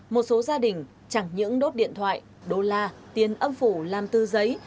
một số gia đình chẳng những đốt điện thoại đô la tiền âm phủ làm tư giấy